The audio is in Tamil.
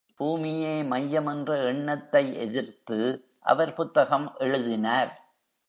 பூமியே மையம் என்ற எண்ணத்தை எதிர்த்து அவர் புத்தகம் எழுதினார்.